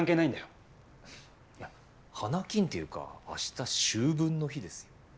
華金っていうか明日秋分の日ですよ。